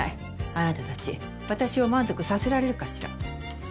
あなたたち私を満足させられるかしら？